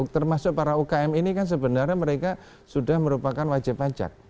termasuk para ukm ini kan sebenarnya mereka sudah merupakan wajib pajak